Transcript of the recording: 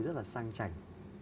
rất là sang chảnh